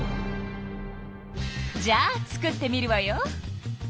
じゃあ作ってみるわよ。